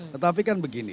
tetapi kan begini